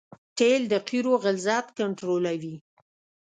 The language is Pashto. تیل د قیرو غلظت کنټرولوي